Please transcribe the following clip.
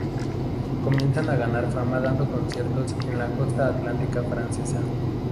Comienzan a ganar fama dando conciertos en la costa atlántica francesa.